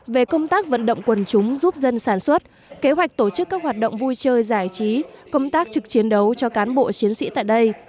về công tác vận động quần chúng giúp dân sản xuất kế hoạch tổ chức các hoạt động vui chơi giải trí công tác trực chiến đấu cho cán bộ chiến sĩ tại đây